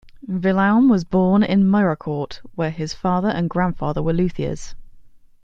Vuillaume was born in Mirecourt, where his father and grandfather were luthiers.